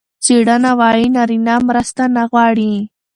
څېړنه وايي نارینه مرسته نه غواړي.